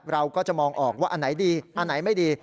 เราก็จะมองออกว่าอันไหนดีอันไหนไม่ดี